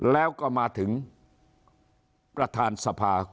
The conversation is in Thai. แล้วก็มาถึงประทานสภาคุณชวนลีกภัย